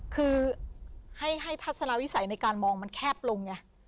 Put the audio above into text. คือให้ทัศนวิสัยในการมองมันแคบลงไง